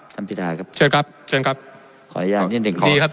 พิธาครับเชิญครับเชิญครับขออนุญาตนิดหนึ่งครับดีครับ